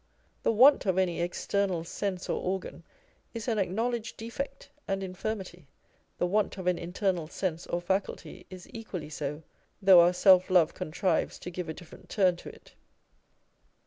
The want of any external sense or organ is an acknow ledged defect and infirmity : the want of an internal sense or faculty is equally so, though our self love contrives to give a different turn to it.